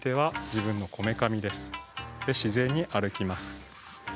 自然に歩きます。